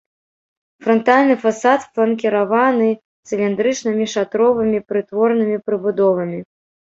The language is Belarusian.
Франтальны фасад фланкіраваны цыліндрычнымі шатровымі прытворнымі прыбудовамі.